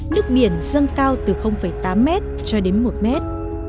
nước biển dâng cao từ tám mét cho đến một mét